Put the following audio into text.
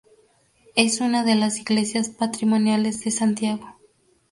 Es una de las iglesias patrimoniales de Santiago.